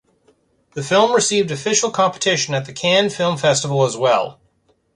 The film received official competition at the Cannes Film Festival as well.